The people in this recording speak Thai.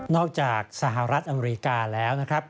จากสหรัฐอเมริกาแล้วนะครับ